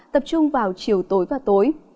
tập trung vào chiều tối và tối